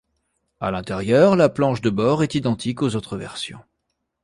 À l'intérieur, la planche de bord est identique aux autres versions.